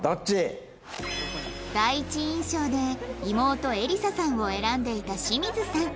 第一印象で妹えりささんを選んでいた清水さん